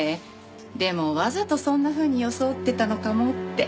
でもわざとそんなふうに装ってたのかもって。